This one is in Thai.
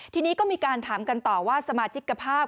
ทีนี้ก็มีการถามกันต่อว่าสมาชิกภาพ